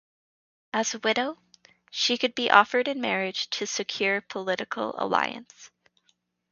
As a widow, she could be offered in marriage to secure political alliance.